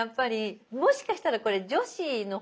もしかしたらこれ女子の方が。